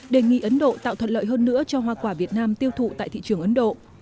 đề nghị ấn độ tạo thuận lợi hơn nữa cho hoa quả việt nam tiêu thụ tại thị trường ấn độ